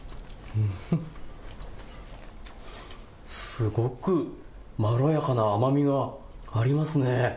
すごくまろやかな甘みがありますね。